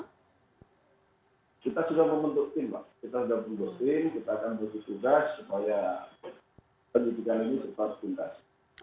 kita sudah membentuk tim kita akan berusaha supaya penyelidikan ini sempat berlengkapan